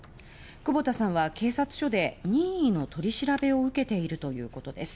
クボタさんは警察署で任意の取り調べを受けているということです。